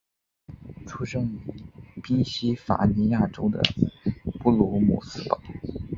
出生于宾夕法尼亚州的布卢姆斯堡。